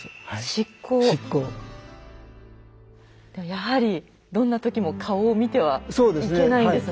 やはりどんな時も顔を見てはいけないんですね。